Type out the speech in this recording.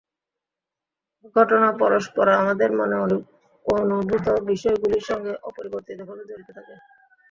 ঘটনাপরম্পরা আমাদের মনে অনুভূত বিষয়গুলির সঙ্গে অপরিবর্তনীয়ভাবে জড়িত থাকে।